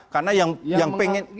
karena yang pengen